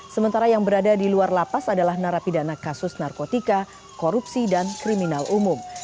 sementara yang berada di luar lapas adalah narapidana kasus narkotika korupsi dan kriminal umum